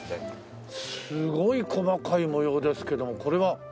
すごい細かい模様ですけどもこれは？